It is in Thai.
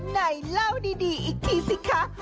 ไหนเล่าดีอีกทีสิคะ